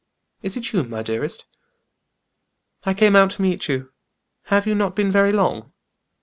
"Is it you, my dearest?" "I came out to meet you. Have you not been very long?"